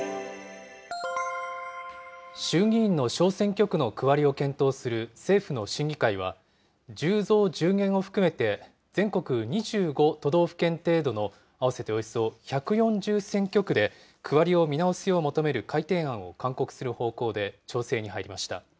衆議院の小選挙区の区割りを検討する政府の審議会は、１０増１０減を含めて、全国２５都道府県程度の合わせておよそ１４０選挙区で、区割りを見直すよう求める改定案を勧告する方向で調整に入りました。